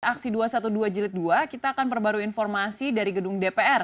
aksi dua ratus dua belas jilid dua kita akan perbaru informasi dari gedung dpr